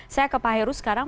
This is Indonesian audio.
saya ke pak heru sekarang